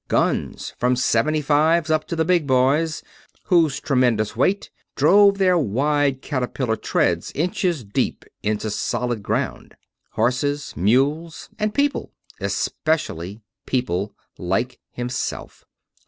Guns; from seventy fives up to the big boys, whose tremendous weight drove their wide caterpillar treads inches deep into solid ground. Horses. Mules. And people especially people like himself.